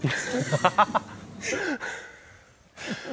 ハハハハ。